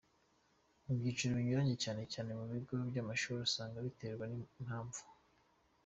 mu byiciro binyuranye cyane cyane mu bigo byamashuri, usanga biterwa nimpamvu.